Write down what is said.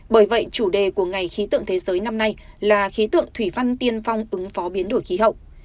bởi vậy chủ đề của ngày khí tượng thế giới năm nay là khí tượng thủy văn tiên phong ứng phó biến đổi khí hậu